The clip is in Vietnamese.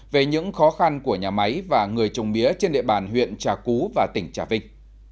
về những khó khăn của nhà máy và người trồng mía trên địa bàn huyện trà cú và tỉnh trà vinh